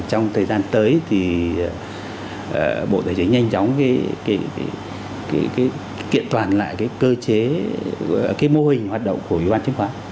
thời gian tới thì bộ tài chính nhanh chóng kiện toàn lại cái cơ chế cái mô hình hoạt động của ủy ban chứng khoán